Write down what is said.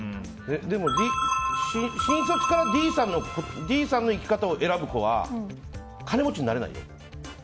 でも新卒からＤさんの生き方を選ぶ子は金持ちになれないよ。